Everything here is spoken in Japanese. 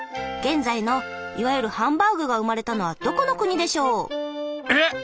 現在のいわゆるハンバーグが生まれたのはどこの国でしょう？え？